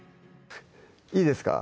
いいですか？